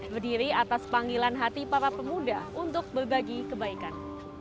berdiri atas panggilan hati para pemuda untuk berbagi kebaikan